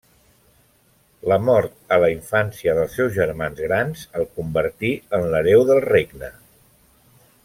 La mort a la infància dels seus germans grans el convertí en l'hereu del regne.